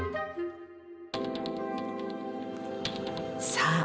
さあ